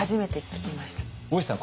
大石さん